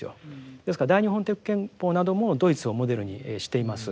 ですから大日本帝国憲法などもドイツをモデルにしています。